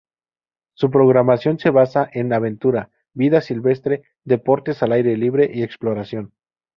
Su programación se basa en aventura, vida silvestre, deportes al aire libre y exploración.